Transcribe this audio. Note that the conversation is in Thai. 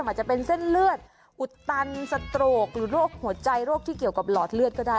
อาจจะเป็นเส้นเลือดอุดตันสโตรกหรือโรคหัวใจโรคที่เกี่ยวกับหลอดเลือดก็ได้